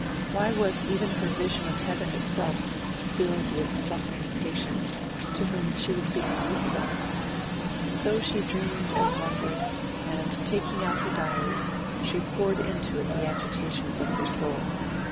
Why was even her vision of heaven itself filled with suffering patients to whom she was being useful? So she dreamed and wondered, and, taking out her diary, she poured into it the agitations of her soul.